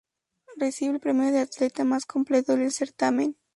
Recibe el premio de atleta más completo del certamen.